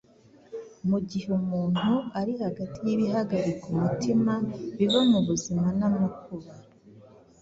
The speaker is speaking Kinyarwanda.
Mu gihe umuntu ari hagati y’ibihagarika umutima biba mu buzima n’amakuba